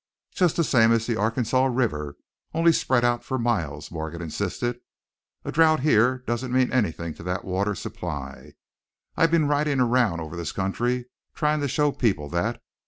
"Just the same as the Arkansas River, only spread out for miles," Morgan insisted. "A drouth here doesn't mean anything to that water supply; I've been riding around over this country trying to show people that.